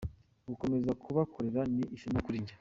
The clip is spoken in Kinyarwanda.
Gukomeza kubakorera ni ishema kuri njye".